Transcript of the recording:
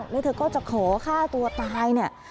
แล้วเธอก็จะขอฆ่าตัวตายเนี่ย